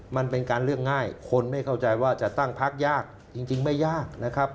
มันเป็นการเรื่องง่ายคนไม่เข้าใจว่าจะตั้งพักยากจริงไม่ยากนะครับ